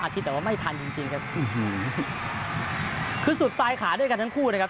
คิดแต่ว่าไม่ทันจริงจริงครับคือสุดปลายขาด้วยกันทั้งคู่นะครับ